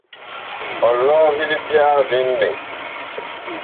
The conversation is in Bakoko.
Ɔlɔ vi libyaa vi mɓɛɛŋ.